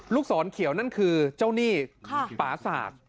ลูกศรเขียวนั่นคือเจ้านี่ป๋าศาตร